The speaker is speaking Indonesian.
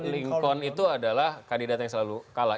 lincon itu adalah kandidat yang selalu kalah